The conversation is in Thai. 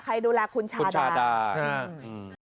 ใครดูแลคุณชาดาคุณชาดาคุณชาดา